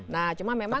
nah cuma memang